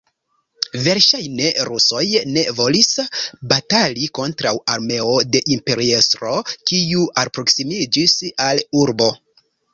Verŝajne rusoj ne volis, batali kontraŭ armeo de imperiestro, kiu alproksimiĝis al urbo.